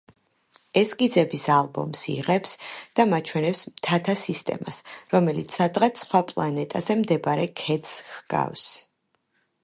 ესკიზების ალბომს იღებს და მაჩვენებს მთათა სისტემას, რომელიც სადღაც სხვა პლანეტაზე მდებარე ქედს ჰგავს.